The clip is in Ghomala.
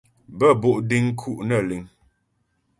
Bə́́ bo' deŋ nku' nə́ liŋ.